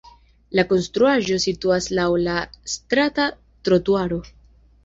La konstruaĵo situas laŭ la strata trotuaro.